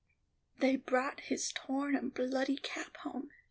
They brought his torn and bloody cap home.